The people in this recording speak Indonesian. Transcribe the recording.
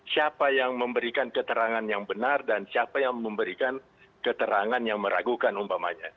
siapa yang memberikan keterangan yang benar dan siapa yang memberikan keterangan yang meragukan umpamanya